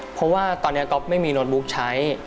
เพราะว่าตอนนี้ก๊อปไม่มีโน้ตบุ๊กใช้